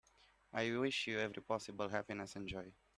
I wish you every possible happiness and joy.